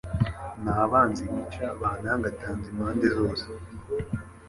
n’abanzi gica bantangatanze impande zose